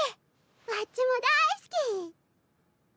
わっちも大好き！